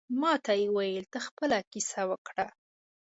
ماته یې ویل ته خپله کیسه وکړه.